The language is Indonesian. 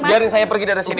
dari saya pergi dari sini